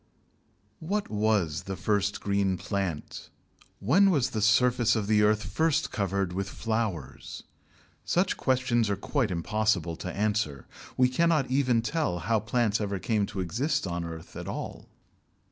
What was the first green plant? When was the surface of the earth first covered with flowers? Such questions are quite impossible to answer. We cannot even tell how plants ever came to exist on the earth at all.